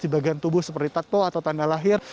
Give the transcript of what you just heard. sebagian tubuh seperti tatu atau tanda lahir